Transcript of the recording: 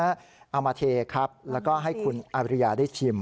เอามาเทครับแล้วก็ให้คุณอาริยาได้ชิม